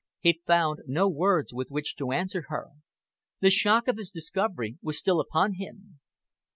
He found no words with which to answer her. The shock of his discovery was still upon him.